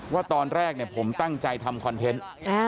ว่าตอนแรกผมตั้งใจทำคอนเทนต์